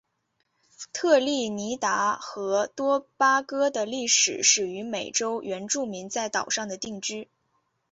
特立尼达和多巴哥的历史始于美洲原住民在岛上的定居。